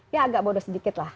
ya agak bodoh sedikit lah